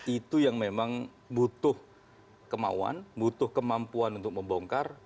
itu yang memang butuh kemauan butuh kemampuan untuk membongkar